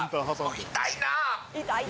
痛いな！